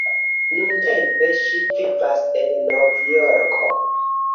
Nuntempe, ŝi vivas en Nov-Jorko.